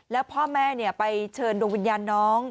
แล้วพ่อแม่ไปเชิญดวงวิญญาณน้อง